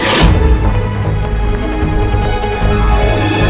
kami akan menangkap kalian